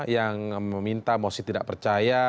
yang meminta mosi tidak percaya